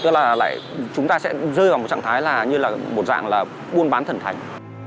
tức là lại chúng ta sẽ rơi vào một trạng thái như là một dạng là buôn bán thần thành